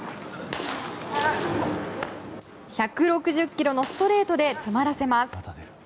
１６０キロのストレートで詰まらせます。